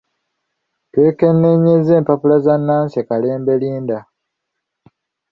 Twekenneenyezza empapula za Nancy Kalembe Linda.